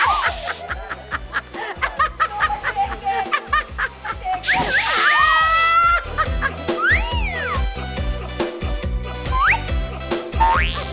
อ่า